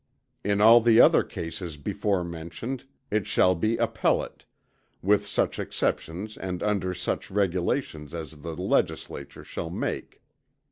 In all the other cases before mentioned it shall be appellate, with such exceptions and under such regulations as the Legislature shall make.